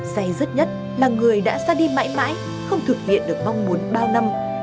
say rớt nhất là người đã xa đi mãi mãi không thực hiện được mong muốn bao năm